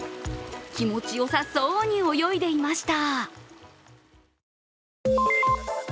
気持ちよさそうに泳いでいました。